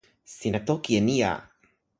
sina toki e ni a.